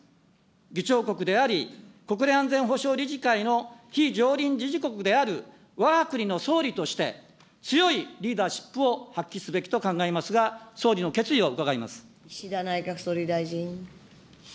議長国であり、国連安全保障理事会の非常任理事国であるわが国の総理として、強いリーダーシップを発揮すべきと考えますが、岸田内閣総理大臣。